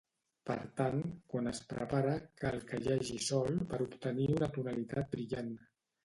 Per tant, quan es prepara cal que hi hagi Sol per obtenir una tonalitat brillant.